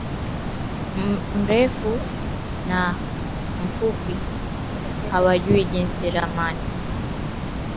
mrefu na Wanasayansi hawajui Jinsi Ramani ya